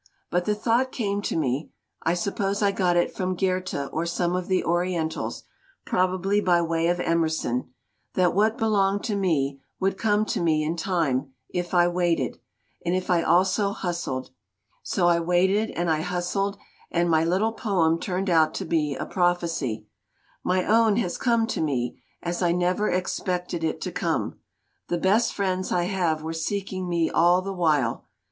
But the thought came to me I suppose I got it from Goethe or some of the Orientals, probably by way of Emerson that what belonged to me would come to me in time, if I waited and if I also hustled. So I waited and I hustled, and my little poem turned out to 223 LITERATURE IN THE MAKING be a prophecy. My own has come to me, as I never expected it to come. The best friends I have were seeking me all the while.